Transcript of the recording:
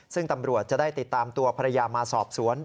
ซึ่งตำรวจจะได้ติดตามตัวภรรยามาสอบสวน